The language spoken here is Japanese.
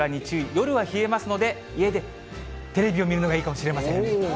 夜は冷えますので、家でテレビを見るのがいいかもしれません。